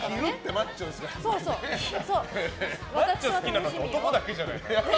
マッチョ好きなの男だけじゃないの？